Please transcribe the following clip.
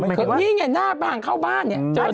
ไม่เคยนี่ไงหน้าบ้านเข้าบ้าน